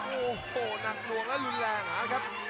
โอ้โหหนักหน่วงและรุนแรงนะครับ